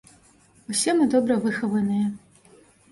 Усе мы добра выхаваныя.